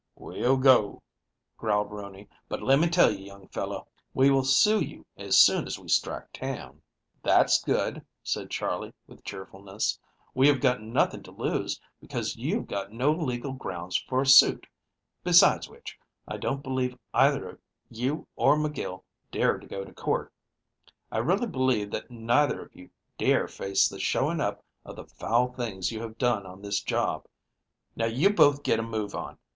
"We'll go," growled Rooney, "but let me tell you, young fellow, we will sue you as soon as we strike town." "That's good," said Charley, with cheerfulness. "We have got nothing to lose, because you've got no legal grounds for a suit; besides which, I don't believe either you or McGill dare to go to court. I really believe that neither of you dare face the showing up of the foul things you have done on this job. Now you both get a move on you.